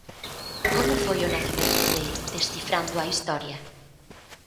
Como foi o nacemento de "Descifrando a Historia"?